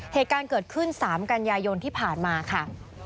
เหตุการณ์เกิดขึ้น๓กันยายนที่ผ่านมาค่ะ